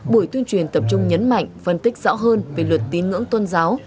buổi tuyên truyền tập trung nhấn mạnh phân tích rõ hơn về luật tín ngưỡng tôn giáo